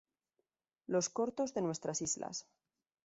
Los cortos de nuestras Islas".